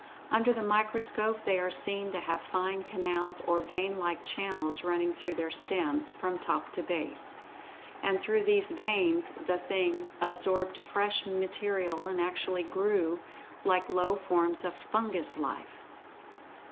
Under the microscope they are seen to have fine canals or vein like channels running through their stems, from top to base. And through these "veins" the "thing" absorbed fresh material and actually "grew" like low forms of fungus life.